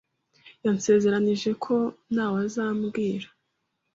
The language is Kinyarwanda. Yansezeranije ko ntawe azabwira.